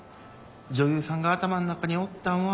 女優さんが頭ん中におったんは本当。